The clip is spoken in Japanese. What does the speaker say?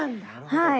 はい。